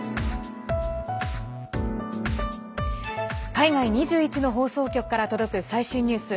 海外２１の放送局から届く最新ニュース。